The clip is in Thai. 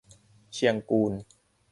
เชียงกูล